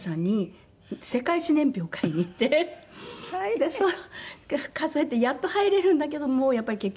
でその数えてやっと入れるんだけどやっぱり結局。